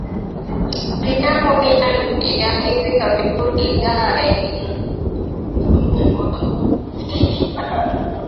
Mnamo miaka ya hivi karibuni idhaa imepanuka na inatangaza